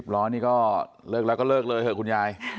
ล้อนี่ก็เลิกแล้วก็เลิกเลยเถอะคุณยาย